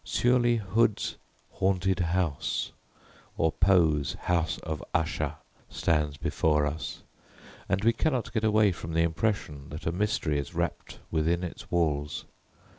Surely Hood's Haunted House or Poe's House of Usher stands before us, and we cannot get away from the impression that a mystery is wrapped within its walls.